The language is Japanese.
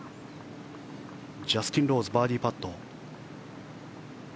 ジャスティン・ローズバーディーパット。